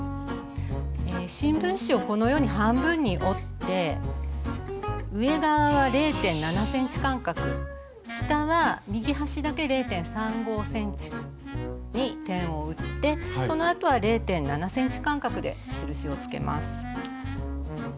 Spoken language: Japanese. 新聞紙をこのように半分に折って上側は０．７ｃｍ間隔下は右端だけ０．３５ｃｍに点を打ってそのあとは０．７ｃｍ間隔で印をつけます。